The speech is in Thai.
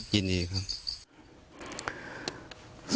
ยินดีครับ